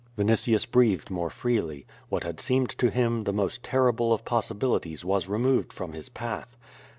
'* Vinitius breathed more freely. What had seemed to him the most terrible of possibilities was removed from his path.